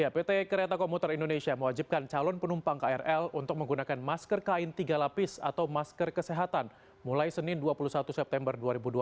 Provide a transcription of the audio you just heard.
pt kereta komuter indonesia mewajibkan calon penumpang krl untuk menggunakan masker kain tiga lapis atau masker kesehatan mulai senin dua puluh satu september dua ribu dua puluh